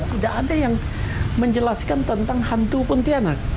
tidak ada yang menjelaskan tentang hantu pontianak